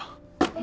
え？